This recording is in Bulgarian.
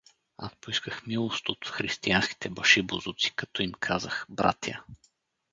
Аз поисках милост от християнските башибозуци, като им казах „братя“.